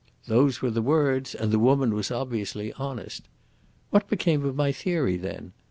Those were the words, and the woman was obviously honest. What became of my theory then?